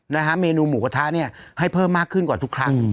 นะฮะเมนูหมูกระทะเนี่ยให้เพิ่มมากขึ้นกว่าทุกครั้ง